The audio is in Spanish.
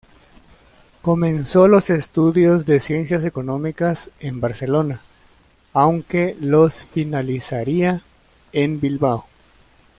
Comenzó los estudios de Ciencias Económicas en Barcelona, aunque los finalizaría en Bilbao.